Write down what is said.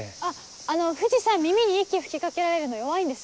あの藤さん耳に息吹き掛けられるの弱いんです。